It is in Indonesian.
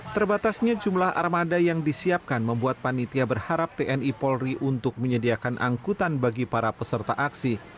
terbatasnya jumlah armada yang disiapkan membuat panitia berharap tni polri untuk menyediakan angkutan bagi para peserta aksi